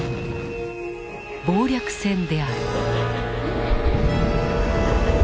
謀略戦である。